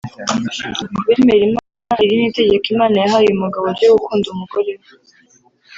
ku bemera Imana iri ni itegeko Imana yahaye umugabo ryo gukunda umugore we